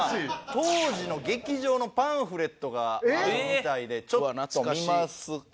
当時の劇場のパンフレットがあるみたいでちょっと見ますか。